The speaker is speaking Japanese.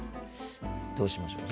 どうしましょう。